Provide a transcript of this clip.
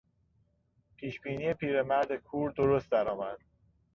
پیشبینی پیرمرد کور درست درآمد.